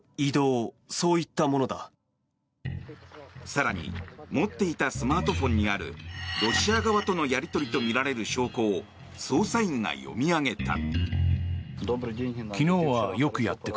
更に持っていたスマートフォンにあるロシア側とのやり取りとみられる証拠を捜査員が読み上げた。